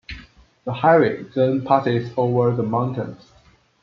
The highway then passes over the mountains.